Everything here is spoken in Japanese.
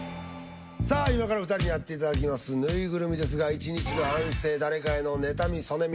さあ今から２人にやっていただきます縫いぐるみですが１日の反省誰かへの妬みそねみ